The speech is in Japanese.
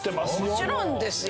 もちろんですよ。